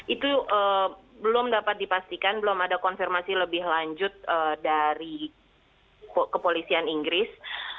itu belum dapat dipastikan belum ada konfirmasi lebih lanjut dari kepolisian inggris